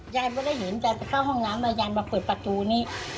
ยายไม่ได้เห็นแต่เข้าห้องนั้นว่ายายมาเปิดประตูนี้